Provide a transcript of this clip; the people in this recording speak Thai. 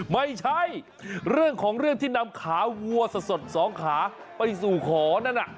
ไม่ใช่เรื่องของเรื่องที่นำขาวัวสดสองขาไปสู่ขอนั่นน่ะ